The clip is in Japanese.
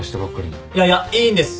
いやいやいいんです。